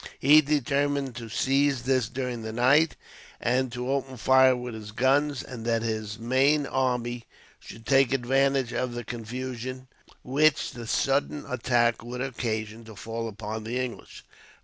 He determined to seize this during the night, and to open fire with his guns, and that his main army should take advantage of the confusion, which the sudden attack would occasion, to fall upon the English.